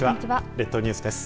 列島ニュースです。